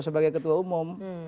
sebagai ketua umum